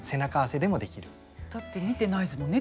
だって見てないですもんね